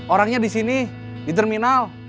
orangnya di sini di terminal